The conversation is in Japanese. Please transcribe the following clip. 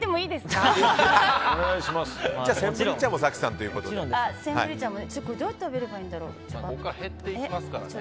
どうやって食べればいいんだろう。